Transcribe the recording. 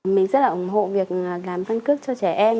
mình rất là ủng hộ việc làm căn cước cho trẻ em